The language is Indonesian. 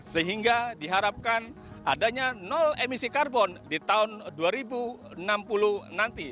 sehingga diharapkan adanya nol emisi karbon di tahun dua ribu enam puluh nanti